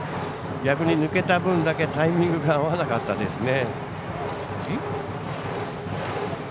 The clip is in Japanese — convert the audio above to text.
逆に抜けた分だけタイミングが合わなかったですね。